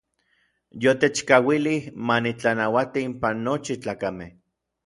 Yotechkauilij ma nitlanauati inpan nochi tlakamej.